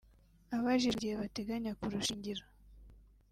Abajijwe igihe bateganya kurushingira